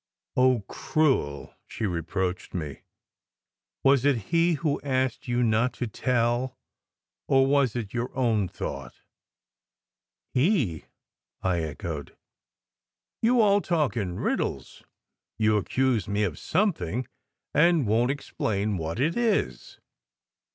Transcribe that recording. " Oh, cruel !" she reproached me. " Was it he who asked you not to tell, or was it your own thought?" "He?" I echoed. "You all talk in riddles. You ac cuse me of something, and won t explain what it is."